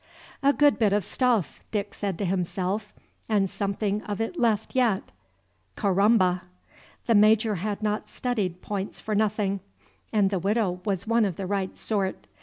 "A good bit of stuff," Dick said to himself, "and something of it left yet; caramba!" The Major had not studied points for nothing, and the Widow was one of the right sort.